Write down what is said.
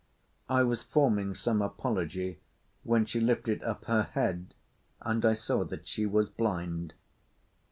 I was forming some apology when she lifted up her head and I saw that she was blind.